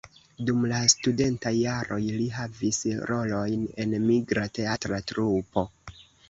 Dum la studentaj jaroj li havis rolojn en migra teatra trupo.